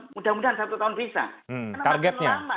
mudah mudahan satu tahun bisa karena